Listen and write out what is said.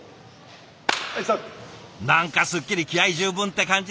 何かすっきり気合い十分って感じですね。